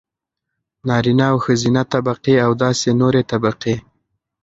نارينه او ښځينه طبقې او داسې نورې طبقې.